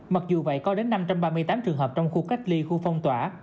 mặc dù vậy có đến năm trăm ba mươi tám trường hợp trong khu cách ly khu phong tỏa